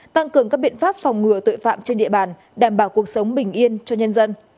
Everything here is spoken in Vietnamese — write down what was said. tăng cường các biện pháp phòng ngừa tội phạm trên địa bàn đảm bảo cuộc sống bình yên cho nhân dân